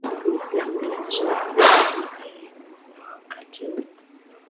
Uislam ulianzishwa kwenye visiwa karibu na wakati huu